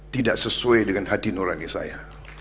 tidak sesuai dengan hati n horrenda saya